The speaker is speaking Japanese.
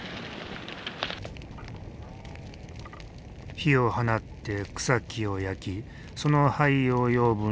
火を放って草木を焼きその灰を養分に作物を育てる。